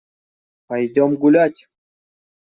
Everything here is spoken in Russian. Пойдем гулять!